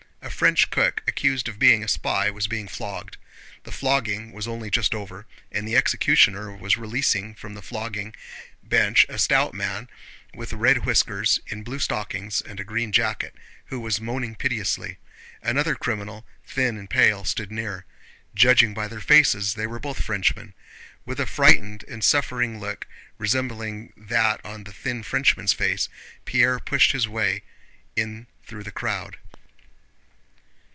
A French cook accused of being a spy was being flogged. The flogging was only just over, and the executioner was releasing from the flogging bench a stout man with red whiskers, in blue stockings and a green jacket, who was moaning piteously. Another criminal, thin and pale, stood near. Judging by their faces they were both Frenchmen. With a frightened and suffering look resembling that on the thin Frenchman's face, Pierre pushed his way in through the crowd.